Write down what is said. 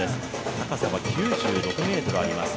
高さは９６ｍあります。